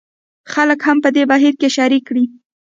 خلک هم په دې بهیر کې شریک کړي.